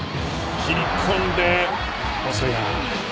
切り込んで細谷。